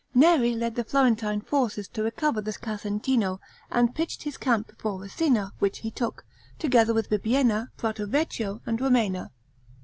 Neri led the Florentine forces to recover the Casentino, and pitched his camp before Rassina, which he took, together with Bibbiena, Prato Vecchio, and Romena.